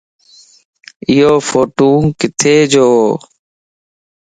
ايو ڦوٽو ڪٿي جووَ؟